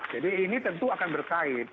jadi ini tentu akan berkait